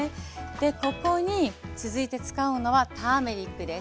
ここに続いて使うのはターメリックです。